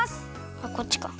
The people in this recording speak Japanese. あっこっちか。